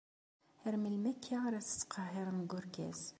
Ar melmi akka ara tettqehhirem deg urgaz?